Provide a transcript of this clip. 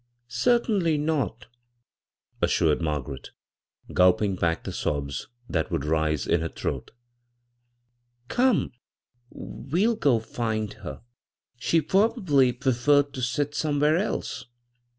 " Certingly not," assured Margaret, gulping back the sobs that would rise in her throat " Come ; we'll go find her. She pwobably pweferred to sit somewhere else."